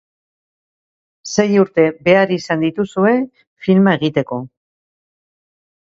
Sei urte behar izan dituzue filma egiteko.